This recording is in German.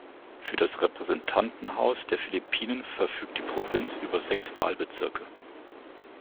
Für das Repräsentantenhaus der Philippinen verfügt die Provinz über sechs Wahlbezirke.